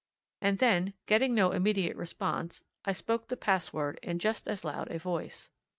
And then, getting no immediate response, I spoke the password in just as loud a voice.